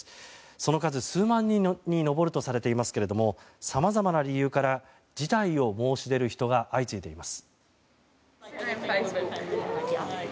その数、数万人に上るとされていますがさまざまな理由から辞退を申し出る人が相次いでいます。